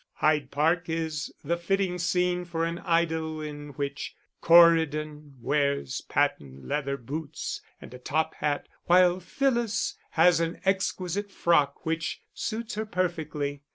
Hyde Park is the fitting scene for an idyll in which Corydon wears patent leather boots and a top hat, while Phyllis has an exquisite frock which suits her perfectly.